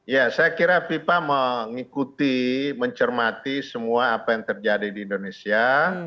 ya saya kira fifa mengikuti mencermati semua apa yang terjadi di indonesia